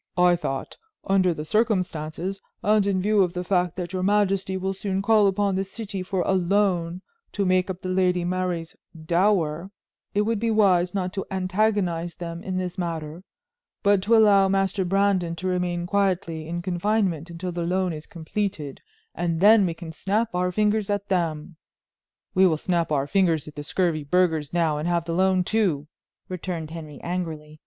I thought, under the circumstances, and in view of the fact that your majesty will soon call upon the city for a loan to make up the Lady Mary's dower, it would be wise not to antagonize them in this matter, but to allow Master Brandon to remain quietly in confinement until the loan is completed and then we can snap our fingers at them." "We will snap our fingers at the scurvy burghers now and have the loan, too," returned Henry, angrily.